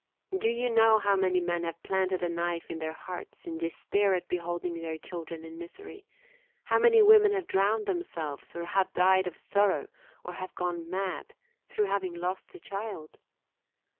Do you know how many men have planted a knife in their hearts in despair at beholding their children in misery? how many women have drowned themselves or have died of sorrow, or have gone mad, through having lost a child?